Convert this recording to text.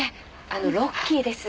あのロッキーです。